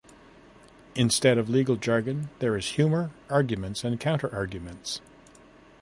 Instead of legal jargon, there is humour, arguments and counter arguments.